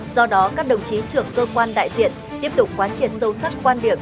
do đó các đồng chí trưởng cơ quan đại diện tiếp tục quan triệt sâu sắc quan điểm